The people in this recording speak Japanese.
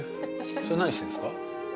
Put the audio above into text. それ何してんすか？